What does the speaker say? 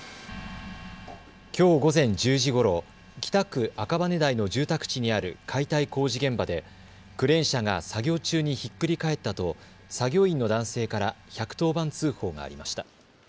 きょう午前１０時ごろ、北区赤羽台の住宅地にある解体工事現場でクレーン車が作業中にひっくり返ったと、作業員の男性から１１０番通報がありました。